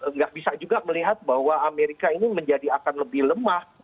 enggak bisa juga melihat bahwa amerika ini akan menjadi lebih lemah